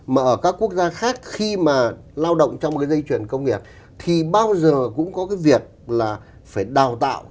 mà ở các quốc gia khác khi mà lao động trong một cái dây chuyển công nghiệp thì bao giờ cũng có cái việc là phải đào tạo